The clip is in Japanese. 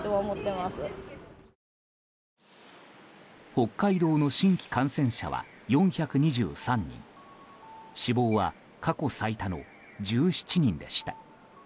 北海道の新規感染者は４２３人死亡は過去最多の１７人でした。